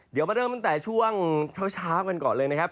เดี๋ยวมาเริ่มตั้งแต่ช่วงเช้ากันก่อนเลยนะครับ